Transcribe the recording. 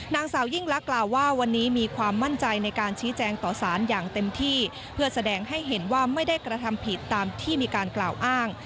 นางสาวยิ่งลักษณกล่าวว่าวันนี้มีความมั่นใจในการชี้แจงต่อสารอย่างเต็มที่เพื่อแสดงให้เห็นว่าไม่ได้กระทำผิดตามที่มีการกล่าวอ้าง